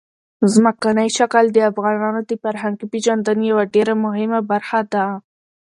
ځمکنی شکل د افغانانو د فرهنګي پیژندنې یوه ډېره مهمه برخه ده.